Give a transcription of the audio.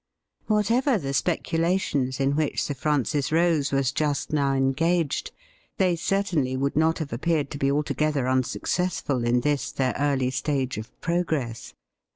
Whatever the speculations in which Sir Francis Rose was just now engaged, they certainly would not have appeared to be altogether unsuccessful in this their early stage of progi ess.